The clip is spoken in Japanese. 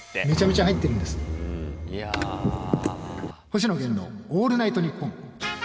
「星野源のオールナイトニッポン」。